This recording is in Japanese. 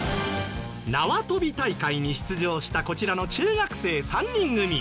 縄跳び大会に出場したこちらの中学生３人組。